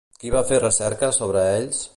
Qui va fer recerca sobre ells?